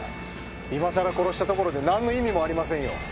今さら殺したところでなんの意味もありませんよ。